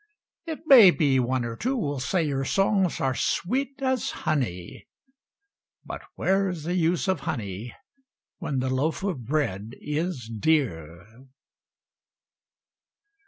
It may be one or two will say your songs are sweet as honey, But where's the use of honey, when the loaf of bread is dear?